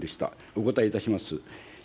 お答えいたします。